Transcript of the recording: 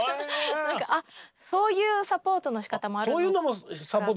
あっそういうサポートのしかたもあるのかなって。